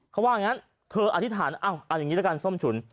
เขาว่าอย่างนั้นเธออธิษฐานเอาอย่างนี้ละกันส้มฉุน